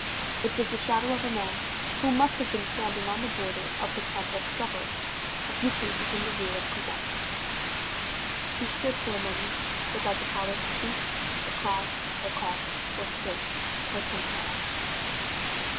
It was the shadow of a man, who must have been standing on the border of the clump of shrubbery, a few paces in the rear of Cosette. She stood for a moment without the power to speak, or cry, or call, or stir, or turn her head.